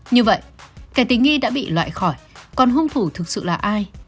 như vậy kẻ tình nghi đã bị loại khỏi còn hung thủ thực sự là ai